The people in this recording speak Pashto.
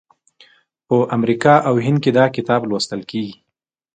په امریکا او هند کې دا کتاب لوستل کیږي.